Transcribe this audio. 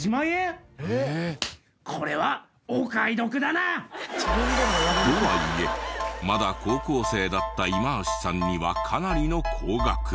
これはお買い得だな！とはいえまだ高校生だった今橋さんにはかなりの高額。